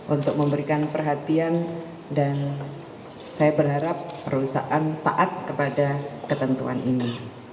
untuk memberikan perhatian dan saya berharap perusahaan taat kepada ketentuan ini